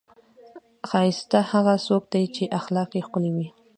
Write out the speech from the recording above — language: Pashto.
ښایسته هغه څوک دی، چې اخلاق یې ښکلي وي.